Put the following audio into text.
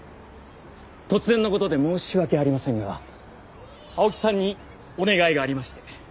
突然の事で申し訳ありませんが青木さんにお願いがありまして。